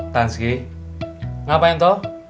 tanski ngapain toh